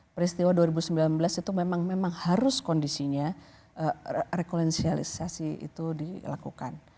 peristiwa dua ribu sembilan belas itu memang harus kondisinya rekolensialisasi itu dilakukan